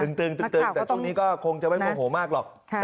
แต่ช่วงนี้ก็คงจะไม่โมโหมากหรอก